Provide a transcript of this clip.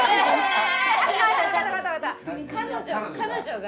彼女が。